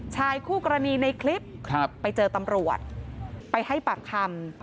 ชายคู่กรณีในคลิปไปเจอตำรวจไปให้ปากคำ